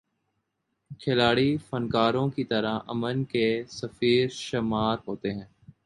کھلاڑی فنکاروں کی طرح امن کے سفیر شمار ہوتے ہیں۔